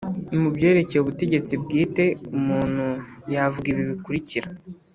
mu byerekeye ubutegetsi bwite, umuntu yavuga ibi bikurikira